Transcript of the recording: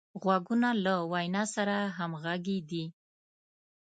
غوږونه له وینا سره همغږي دي